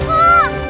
aku mau ketemu